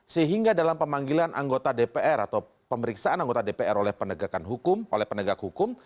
sehingga dalam pemanggilan anggota dpr atau pemeriksaan anggota dpr oleh penegak hukum